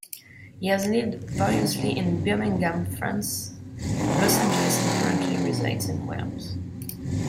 He has lived variously in Birmingham, France, Los Angeles and currently resides in Wales.